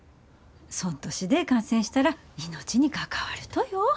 そん年で感染したら命に関わるとよ。